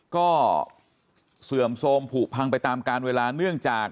ก็เสื่อมโทรมผูกพังไปตามการเวลาเนื่องจาก